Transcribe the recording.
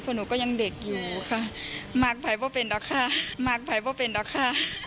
เพราะหนูก็ยังเด็กอยู่ค่ะมากไปเพราะเป็นดอกค่ามากไปเพราะเป็นดอกค่า